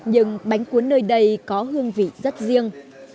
nhưng bánh cuốn nơi đây có hương vị rất riêng